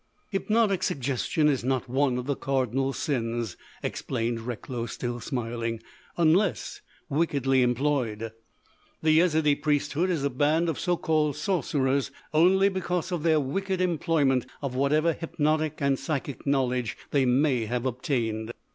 "Hypnotic suggestion is not one of the cardinal sins," explained Recklow, still smiling—"unless wickedly employed. The Yezidee priesthood is a band of so called sorcerers only because of their wicked employment of whatever hypnotic and psychic knowledge they may have obtained.